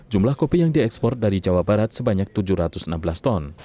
jumlah kopi yang diekspor dari jawa barat sebanyak tujuh ratus enam belas ton